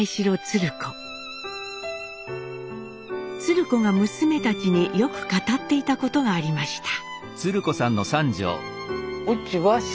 鶴子が娘たちによく語っていたことがありました。